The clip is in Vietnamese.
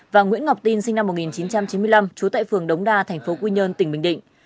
và nguyễn ngọc tin sinh năm một nghìn chín trăm chín mươi năm chú tại phường đống đa tp quy nhơn tỉnh bình định